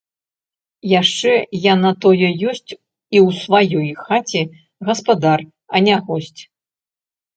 Яшчэ я на тое ёсць, і ў сваёй хаце гаспадар, а не госць!